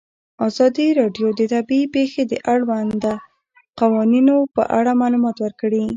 ازادي راډیو د طبیعي پېښې د اړونده قوانینو په اړه معلومات ورکړي.